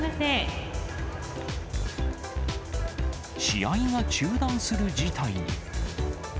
試合が中断する事態に。